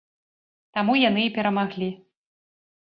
Таму яны і перамаглі.